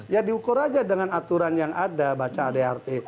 ya diukur saja dengan aturan yang ada baca drt